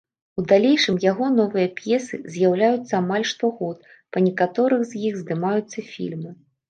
У далейшым яго новыя п'есы з'яўляюцца амаль штогод, па некаторых з іх здымаюцца фільмы.